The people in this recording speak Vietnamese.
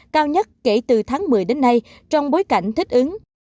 cao nhất kể từ tháng một mươi đến nay trong bối cảnh thích ứng